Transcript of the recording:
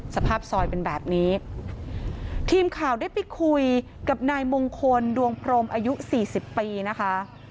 สภาพซอยเป็นแบบนี้ทีมข่าวได้ไปคุยกับนายมงคลดวงพรมอายุสี่สิบปีนะคะ